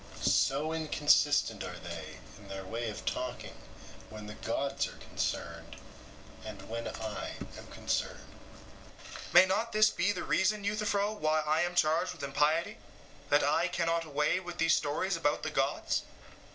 So inconsistent are they in their way of talking when the gods are concerned, and when I am concerned. SOCRATES: May not this be the reason, Euthyphro, why I am charged with impiety that I cannot away with these stories about the gods?